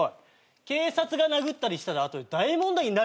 警察が殴ったりしたら後で大問題になるぞ。